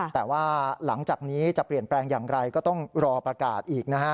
แต่ว่าหลังจากนี้จะเปลี่ยนแปลงอย่างไรก็ต้องรอประกาศอีกนะฮะ